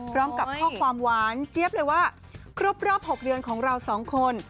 พร้อมกับข้อความหวานเจี๊ยบเลยว่าครบรอบ๖เดือนของเราสองคน